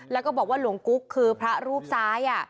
แล้วก็บอกว่าหลวงกุ๊กคือพระรูปซ้าย